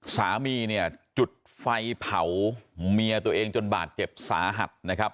สามีเนี่ยจุดไฟเผาเมียตัวเองจนบาดเจ็บสาหัสนะครับ